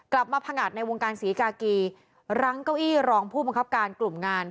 มาผงัดในวงการศรีกากีรังเก้าอี้รองผู้บังคับการกลุ่มงาน